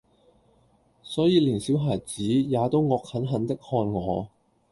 所以連小孩子，也都惡狠狠的看我。